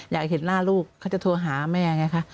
อยากเห็นหน้าลูกเขาจะโทรหาแม่ไงคะ